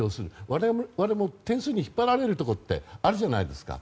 我々も点数に引っ張られるところあるじゃないですか。